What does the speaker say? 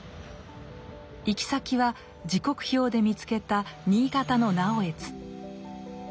行き先は時刻表で見つけた新潟の直江津。